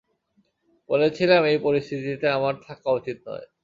বলেছিলাম এই পরিস্থিতিতে আমার থাকা উচিত নয়।